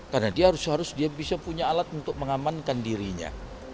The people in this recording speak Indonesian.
karena dia harus harus dia bisa punya alat untuk mengamankan dirinya